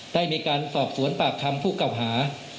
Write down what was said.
ได้มีการสอบสวนปากคำผู้เก่าหา